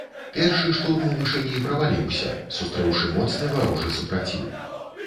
Першы штурм вышыні праваліўся, сустрэўшы моцны варожы супраціў.